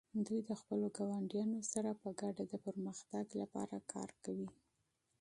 دوی د خپلو ګاونډیانو سره په ګډه د پرمختګ لپاره کار کوي.